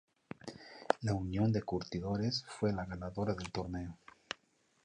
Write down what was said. La Unión de Curtidores fue la ganadora del torneo.